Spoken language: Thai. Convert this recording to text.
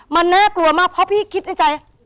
มันน่ากลัวมากเพราะพี่คิดในใจ